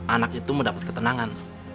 anak itu mendapat ketenangan